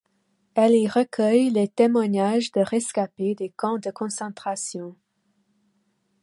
Elle y recueille les témoignages de rescapés des camps de concentration.